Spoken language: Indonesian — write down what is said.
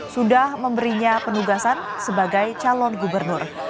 sudah memberinya penugasan sebagai calon gubernur